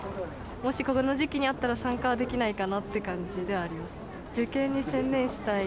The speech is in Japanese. もしこの時期にあったら、参加はできないかなって感じではあります。